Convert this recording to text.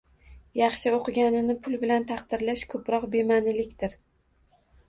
Yaxshi o‘qiganini pul bilan taqdirlash – ko‘proq bema’nilikdir.